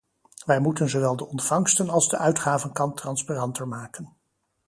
Wij moeten zowel de ontvangsten- als de uitgavenkant transparanter maken.